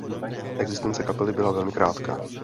Existence kapely byla velmi krátká.